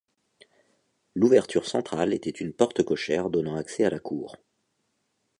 L'ouverture centrale était une porte cochère donnant accès à la cour.